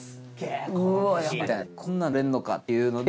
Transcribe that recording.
こんなんで踊れんのかっていうので。